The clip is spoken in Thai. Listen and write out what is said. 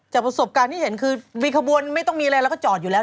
ประสบการณ์ที่เห็นคือมีขบวนไม่ต้องมีอะไรแล้วก็จอดอยู่แล้ว